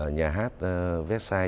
nhà hát vecchiai